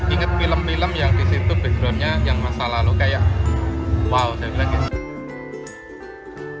ingat film film yang di situ background nya yang masa lalu kayak wow saya bilang gitu